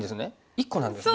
１個なんですね。